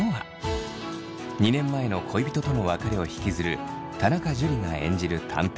２年前の恋人との別れを引きずる田中樹が演じる探偵